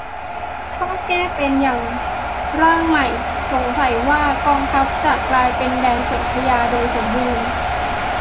ถ้าแก้เป็นอย่างร่างใหม่ สงสัยว่ากองทัพจะกลายเป็นแดนสนธยาโดยสมบูรณ์